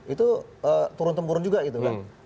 itu turun temurun juga gitu kan